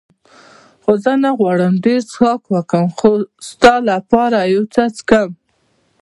خو زه نه غواړم ډېر څښاک وکړم، ستا لپاره یو څه څښم.